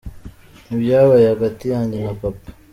Ni ibyabaye hagati yanjye na papa.